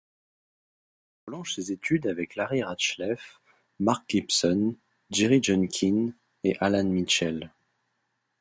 Il prolonge ses études avec Larry Rachleff, Mark Gibson, Jerry Junkin, et Alan Mitchell.